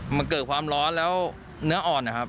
มันเกิดความร้อนแล้วเนื้ออ่อน